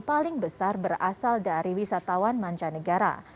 paling besar berasal dari wisatawan mancanegara